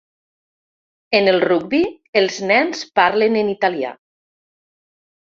En el rugbi, els nens parlen en italià.